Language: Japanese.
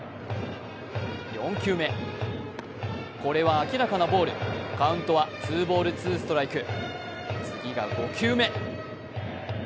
４球目、これは明らかなボールカウントはツーボール、ツーストライク次が５球目。